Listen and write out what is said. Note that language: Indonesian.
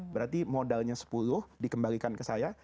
berarti modalnya sepuluh dikembalikan ke saya